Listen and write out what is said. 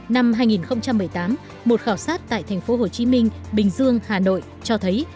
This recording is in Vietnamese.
năm hai nghìn một mươi tám một khảo sát tại thành phố hồ chí minh bình dương hà nội cho thấy